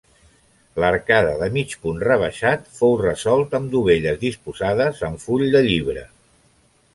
L'arcada de mig punt rebaixat fou resolt amb dovelles disposades en full de llibre.